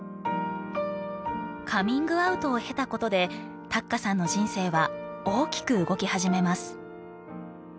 カミングアウトを経たことでたっかさんの人生は大きく動き始めます。